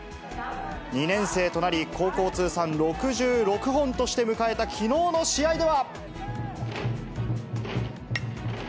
２年生となり、高校通算６６本として迎えたきのうの試合では。